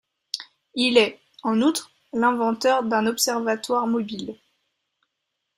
Il est, en outre, l'inventeur d'un observatoire mobile.